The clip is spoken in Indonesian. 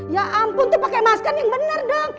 ya ampun dia pakai masker yang benar dong